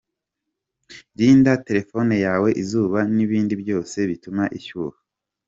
Rinda telefone yawe izuba n’ibindi byose bituma ishyuha.